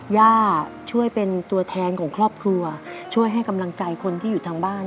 ย่าช่วยเป็นตัวแทนของครอบครัวช่วยให้กำลังใจคนที่อยู่ทางบ้าน